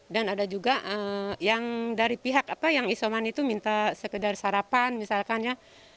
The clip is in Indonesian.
dan ada juga yang dari pihak yang isoman itu minta sekedar sarapan misalkannya